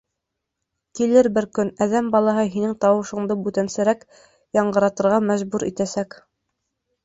— Килер бер көн, әҙәм балаһы һинең тауышыңды бүтәнсәрәк яңғыратырға мәжбүр итәсәк.